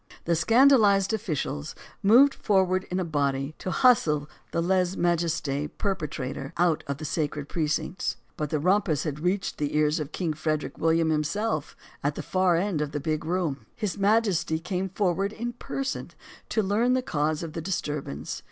The scandalized officials moved forward in a body to hustle the lesemajeste perpetrator out of the sacred precincts. But the rumpus had reached the ears of King Frederick William himself, at the far end of the big room. His majesty came forward in person to learn the cause of the disturbance.